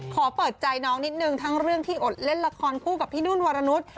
ขอเปิดใจน้องนิดนึงทั้งเรื่องที่อดเล่นละครคู่กับพี่นุ่นวรนุษย์